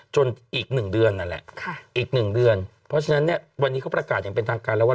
อีก๑เดือนนั่นแหละอีก๑เดือนเพราะฉะนั้นเนี่ยวันนี้เขาประกาศอย่างเป็นทางการแล้วว่า